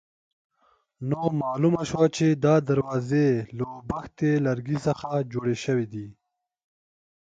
نو معلومه شوه چې دا دروازې له اوبښتي لرګي څخه جوړې شوې دي.